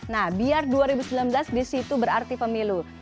nah biar dua ribu sembilan belas disitu berarti pemilu